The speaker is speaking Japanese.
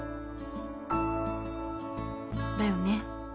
だよね。